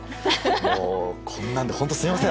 もう、こんなんで本当、すみません。